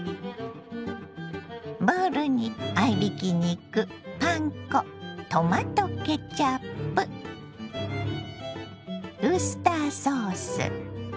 ボウルに合いびき肉パン粉トマトケチャップウスターソース